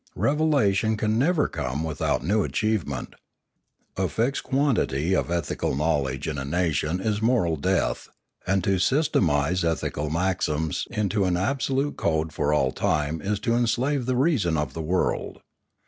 Revelation can never come without new achievement. A fixed quantity of ethical knowledge in a nation is moral death, and to systematise ethical maxims into an absolute code for all time is to enslave the reason of the world.